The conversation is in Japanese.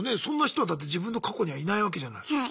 そんな人はだって自分の過去にはいないわけじゃない？